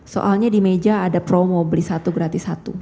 soalnya di meja ada promo beli satu gratis satu